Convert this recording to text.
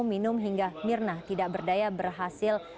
minum hingga mirna tidak berdaya berhasil